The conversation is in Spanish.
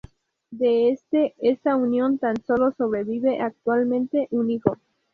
De este esta unión tan solo sobrevive actualmente un hijo.